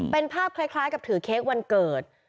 เป็นภาพคล้ายกับถือเค้กวันเกิด